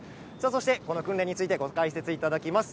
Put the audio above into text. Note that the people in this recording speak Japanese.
この訓練についてご解説いただけます